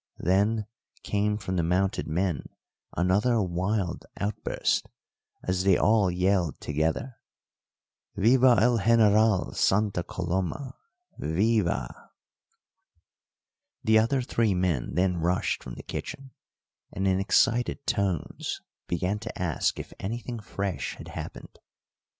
Then came from the mounted men another wild outburst as they all yelled together, "Viva el General Santa Coloma viv a." The other three men then rushed from the kitchen, and in excited tones began to ask if anything fresh had happened.